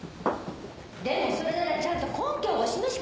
でもそれならちゃんと根拠をお示しください！